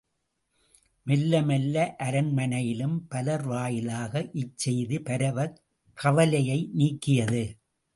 மெல்ல மெல்ல அரண்மனையிலும் பலர் வாயிலாக இச் செய்தி பரவிக் கவலையை நீக்கியது.